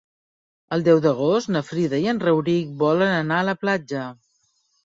El deu d'agost na Frida i en Rauric volen anar a la platja.